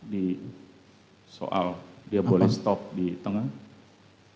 di soal dia boleh berhenti di tempat yang lain